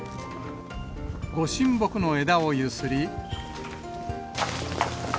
ご神木の枝を揺すり。